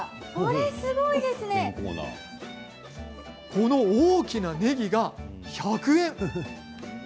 この大きな、ねぎが１００円。